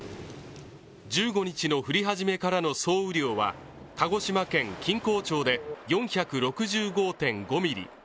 １５日の降り始めからの総雨量は鹿児島県錦江町で４６５．５ミリ。